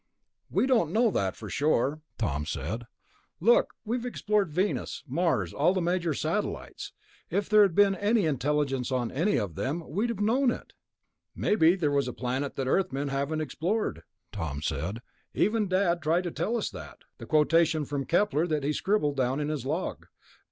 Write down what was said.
"We don't know that, for sure," Tom said. "Look, we've explored Venus, Mars, all the major satellites. If there had ever been intelligence on any of them, we'd have known it." "Maybe there was a planet that Earthmen haven't explored," Tom said. "Even Dad tried to tell us that. The quotation from Kepler that he scribbled down in his log